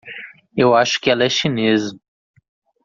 Eu acho que ela é chinesa.